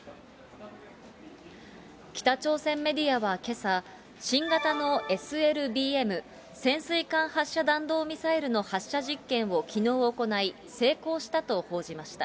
北朝鮮メディアはけさ、新型のＳＬＢＭ・潜水艦発射弾道ミサイルの発射実験をきのう行い、成功したと報じました。